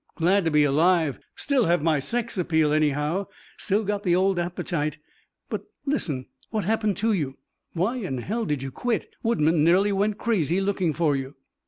Glad to be alive. Still have my sex appeal, anyhow. Still got the old appetite. But listen what happened to you? Why in hell did you quit? Woodman nearly went crazy looking for you."